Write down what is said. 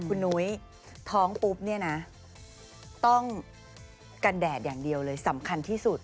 คุณนุ้ยท้องปุ๊บเนี่ยนะต้องกันแดดอย่างเดียวเลยสำคัญที่สุด